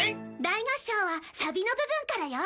大合唱はサビの部分からよ。